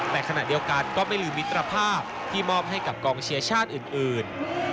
แต่ขณะเดียวกันก็ไม่ลืมมิตรภาพที่มอบให้กับกองเชียร์ชาติอื่น